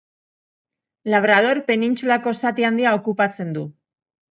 Labrador penintsulako zati handia okupatzen du.